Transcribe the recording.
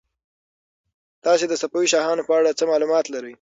تاسو د صفوي شاهانو په اړه څه معلومات لرئ؟